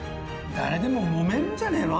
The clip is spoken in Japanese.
誰でももめるんじゃねえの。